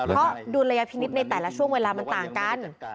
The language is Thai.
เพราะดุลยพินิษฐ์ในแต่ละช่วงเวลามันต่างกัน